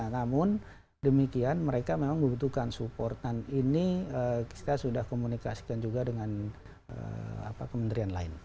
namun demikian mereka memang membutuhkan support dan ini kita sudah komunikasikan juga dengan kementerian lain